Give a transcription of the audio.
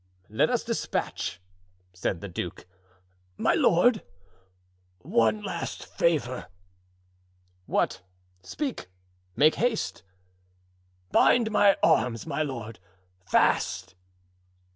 "Let us dispatch," said the duke. "My lord, one last favor." "What? speak, make haste." "Bind my arms, my lord, fast."